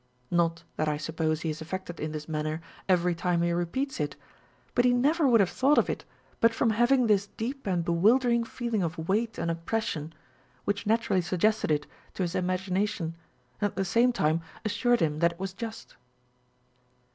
not that I suppose lie is affected in this manner every time lie repeats it, but he never would have thought of it but from having this deep and bewildering feeling of weight and oppression, which naturally suggested it to his imagi nation, and at the same time assured him that it was just.